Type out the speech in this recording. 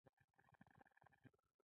دوی ښه شېبه مزل وکړ.